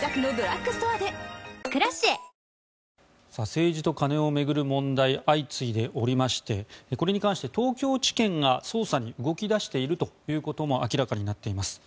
政治と金を巡る問題が相次いでおりましてこれに関して東京地検が捜査に動き出しているということも明らかになっています。